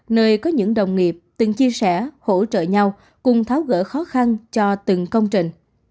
nơi có những đồng nghiệp từng chia sẻ hỗ trợ nhau cùng tháo gỡ khó khăn cho từng công trình